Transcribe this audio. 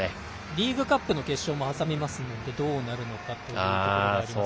リーグカップの決勝も挟みますので、どうなるのかというところもあります。